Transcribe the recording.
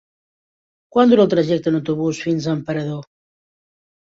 Quant dura el trajecte en autobús fins a Emperador?